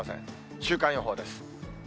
週間予報です。